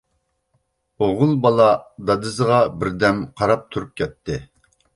ئوغۇل بالا دادىسىغا بىردەم قاراپ تۇرۇپ كەتتى.